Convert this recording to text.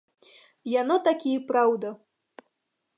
Яно такі і праўда.